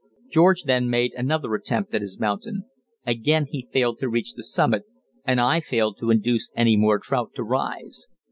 George then made another attempt at his mountain. Again he failed to reach the summit, and I failed to induce any more trout to rise.